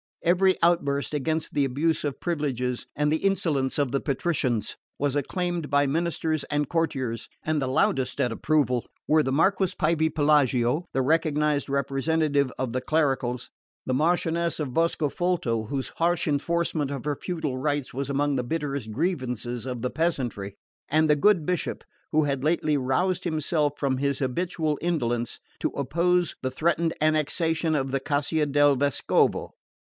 Every outburst against the abuse of privileges and the insolence of the patricians was acclaimed by ministers and courtiers, and the loudest in approval were the Marquess Pievepelago, the recognised representative of the clericals, the Marchioness of Boscofolto, whose harsh enforcement of her feudal rights was among the bitterest grievances of the peasantry, and the good Bishop, who had lately roused himself from his habitual indolence to oppose the threatened annexation of the Caccia del Vescovo.